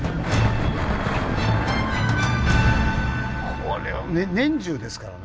これ年中ですからね。